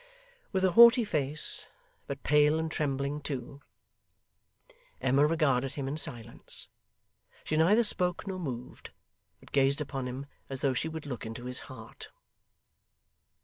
With a haughty face, but pale and trembling too, Emma regarded him in silence. She neither spoke nor moved, but gazed upon him as though she would look into his heart.